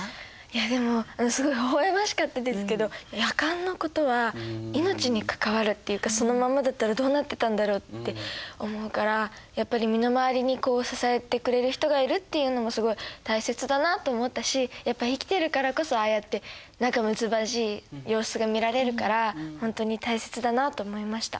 でもすごいほほ笑ましかったですけどヤカンのことは命に関わるっていうかそのままだったらどうなってたんだろうって思うからやっぱり身の回りに支えてくれる人がいるっていうのもすごい大切だなと思ったしやっぱ生きてるからこそああやって仲むつまじい様子が見られるからほんとに大切だなと思いました。